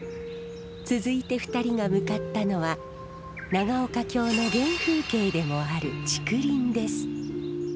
続いて２人が向かったのは長岡京の原風景でもある竹林です。